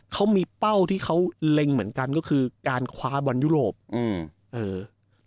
เขามีเป้าที่เขาเล็งเหมือนกันก็คือการคว้าบอลยุโรปอืมเออ